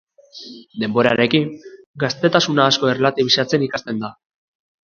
Denborarekin, gaztetasuna asko erlatibizatzen ikasten da.